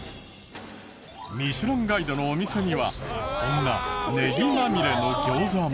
『ミシュランガイド』のお店にはこんなネギまみれの餃子も。